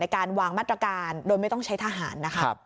การวางมาตรการโดยไม่ต้องใช้ทหารนะคะ